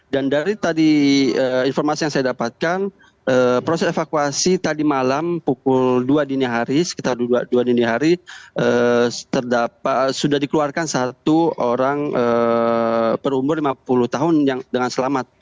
dan dari tadi informasi yang saya dapatkan proses evakuasi tadi malam pukul dua dini hari sekitar dua dini hari sudah dikeluarkan satu orang berumur lima puluh tahun dengan selamat